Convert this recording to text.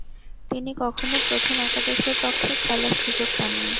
তিনি কখনও প্রথম একাদশের পক্ষে খেলার সুযোগ পাননি।